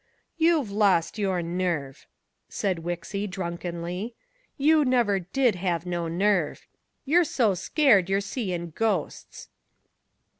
"You've lost your nerve!" said Wixy drunkenly. "You never did have no nerve. You're so scared you're seein' ghosts."